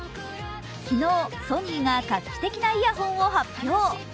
昨日、ソニーが画期的なイヤホンを発表。